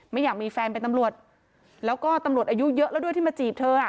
ไม่อยากมีแฟนเป็นตำรวจแล้วก็ตำรวจอายุเยอะแล้วด้วยที่มาจีบเธออ่ะ